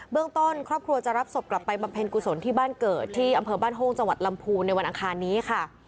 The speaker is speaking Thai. เรื่องต้นครอบครัวจะรับศพกลับไปบำเพ็ญกุศลที่บ้านเกิดที่อำเภอบ้านโฮงจังหวัดลำพูนในวันอังคารนี้ค่ะ